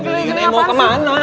eh mau kemana